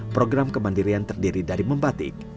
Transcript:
program kemandirian terdiri dari membatik